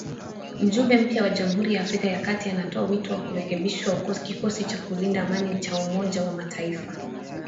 Mjumbe mpya wa Jamhuri ya Afrika ya kati anatoa wito wa kurekebishwa kikosi cha kulinda amani cha Umoja wa Mataifa